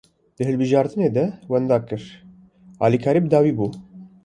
Di hilbijartinê de wenda kir, alîkarî bi dawî bû